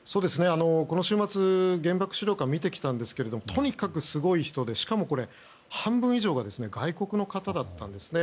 この週末原爆資料館を見てきましたがとにかくすごい人でしかも、半分以上が外国の方だったんです。